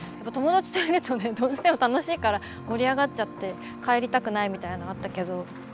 友達といるとねどうしても楽しいから盛り上がっちゃって帰りたくないみたいなのあったけど。